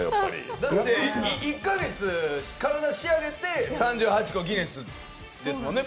だって１カ月体を仕上げて３８個ギネスですもんね。